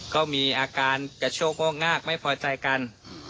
ก็มีอาการกระโชคโงกงากไม่พอใจกัน